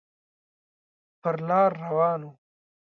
پر لار روان و.